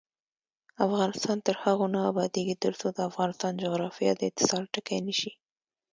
افغانستان تر هغو نه ابادیږي، ترڅو د افغانستان جغرافیه د اتصال ټکی نشي.